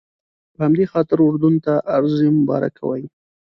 په همدې خاطر اردن ته ارض مبارکه وایي.